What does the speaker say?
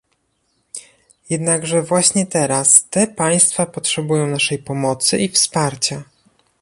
Jednakże właśnie teraz te państwa potrzebują naszej pomocy i wsparcia